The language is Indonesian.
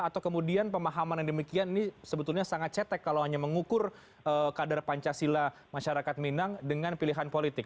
atau kemudian pemahaman yang demikian ini sebetulnya sangat cetek kalau hanya mengukur kadar pancasila masyarakat minang dengan pilihan politik